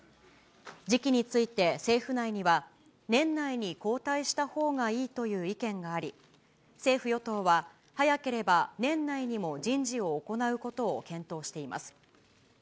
時期について政府内には、年内に交代したほうがいいという意見があり、政府・与党は、早ければ年内にも人事を行うことを検討しています。